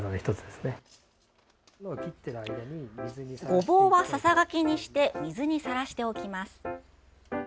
ごぼうは、ささがきにして水にさらしておきます。